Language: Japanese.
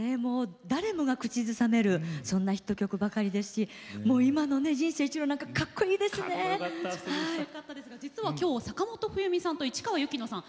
誰もが口ずさめるそんなヒット曲ばかりですし今の「人生一路」なんて実は今日、坂本冬美さんと市川由紀乃さん